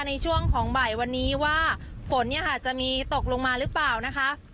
ในช่วงของบ่ายวันนี้ว่าฝนเนี่ยค่ะจะมีตกลงมาหรือเปล่านะคะ